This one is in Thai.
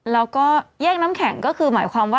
แล้วก็แยกน้ำแข็งก็คือหมายความว่า